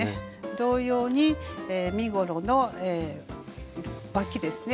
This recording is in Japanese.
同様に身ごろのわきですね。